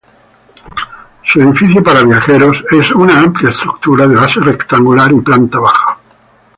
Su edificio para viajeros es una amplia estructura de base rectangular y planta baja.